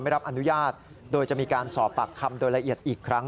รับอนุญาตโดยจะมีการสอบปากคำโดยละเอียดอีกครั้ง